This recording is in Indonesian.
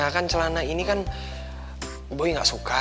kan celana ini kan boy nggak suka